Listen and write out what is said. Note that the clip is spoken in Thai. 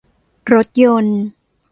รถยนต์